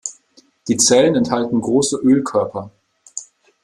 Die Zellen enthalten große Ölkörper.